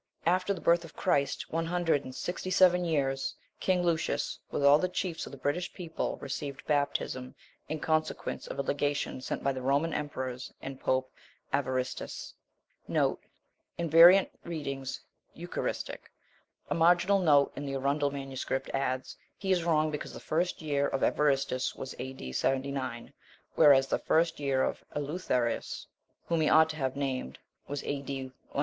22. After the birth of Christ, one hundred and sixty seven years, king Lucius, with all the chiefs of the British people, received baptism, in consequence of a legation sent by the Roman emperors and pope Evaristus.* * V.R. Eucharistus. A marginal note in the Arundel MS. adds, "He is wrong, because the first year of Evaristus was A.D. 79, whereas the first year of Eleutherius, whom he ought to have named, was A.D. 161."